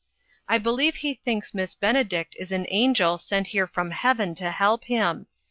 I be iieve he thinks Miss Benedict is an angel sent here from heaven to help him.